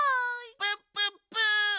プップップ！